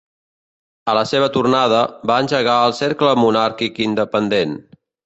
A la seva tornada, va engegar el Cercle Monàrquic Independent.